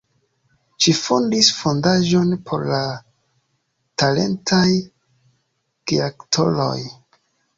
Ŝi fondis fondaĵon por talentaj geaktoroj.